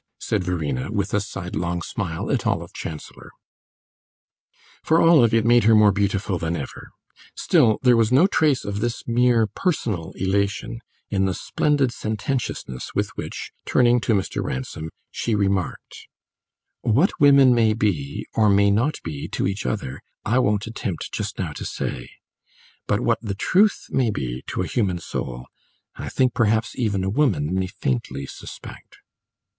said Verena, with a side long smile at Olive Chancellor. For Olive, it made her more beautiful than ever; still, there was no trace of this mere personal elation in the splendid sententiousness with which, turning to Mr. Ransom, she remarked: "What women may be, or may not be, to each other, I won't attempt just now to say; but what the truth may be to a human soul, I think perhaps even a woman may faintly suspect!"